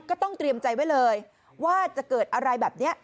ก็ต้องเตรียมใจไว้เลยว่าจะเกิดอะไรแบบนี้